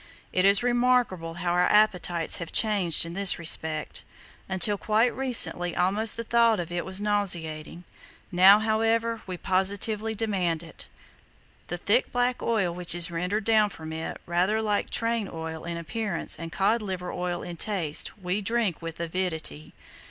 "It is remarkable how our appetites have changed in this respect. Until quite recently almost the thought of it was nauseating. Now, however, we positively demand it. The thick black oil which is rendered down from it, rather like train oil in appearance and cod liver oil in taste, we drink with avidity."